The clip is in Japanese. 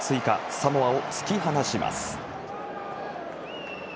サモアを突き放します。